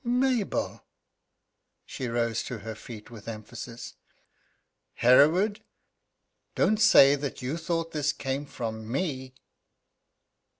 "Mabel!" She rose to her feet, with emphasis: "Hereward, don't say that you thought this came from me!"